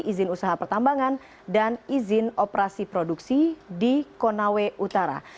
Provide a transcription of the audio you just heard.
izin usaha pertambangan dan izin operasi produksi di konawe utara